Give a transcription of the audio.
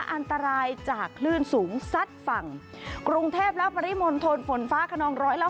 อันตรายจากคลื่นสูงซัดฝั่งกรุงเทพและปริมณฑลฝนฟ้าขนองร้อยละ